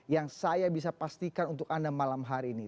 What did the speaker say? yang saya bisa pastikan untuk anda malam hari ini